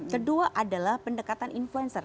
kedua adalah pendekatan influencer